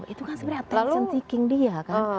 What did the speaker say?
itu kan sebenarnya attention seeking dia